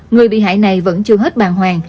người bị hại này vẫn chưa hết bàn hoàng